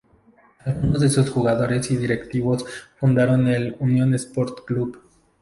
Algunos de sus jugadores y directivos fundaron el Unión Sport Club.